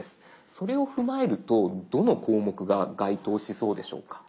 それを踏まえるとどの項目が該当しそうでしょうか？